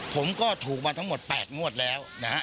ผมก็ถูกมาทั้งหมด๘งวดแล้วนะฮะ